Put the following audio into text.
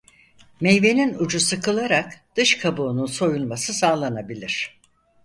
Meyvenin ucu sıkılarak dış kabuğunun soyulması sağlanabilir.